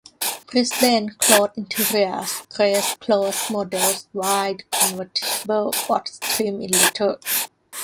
Brisbane cloth interiors graced closed models while the convertible was trimmed in leather.